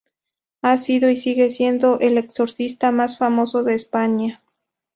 Ha sido y sigue siendo "el exorcista más famoso de España".